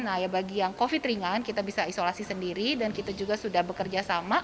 nah ya bagi yang covid ringan kita bisa isolasi sendiri dan kita juga sudah bekerja sama